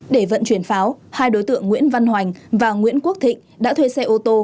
để vận chuyển pháo hai đối tượng nguyễn văn hoành và nguyễn quốc thịnh đã thuê xe ô tô